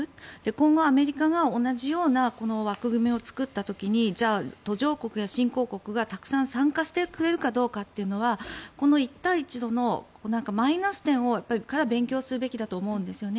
今後、アメリカが同じような枠組みを作った時にじゃあ、途上国や新興国がたくさん参加してくれるかどうかというのはこの一帯一路のマイナス点から勉強するべきだと思うんです。